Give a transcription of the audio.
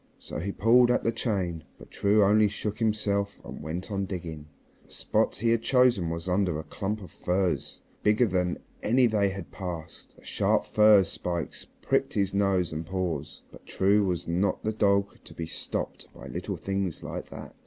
So he pulled at the chain. But True only shook himself and went on digging. The spot he had chosen was under a clump of furze bigger than any they had passed. The sharp furze spikes pricked his nose and paws, but True was not the dog to be stopped by little things like that.